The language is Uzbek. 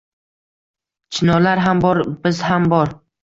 — Chinorlar ham bor... biz ham bor!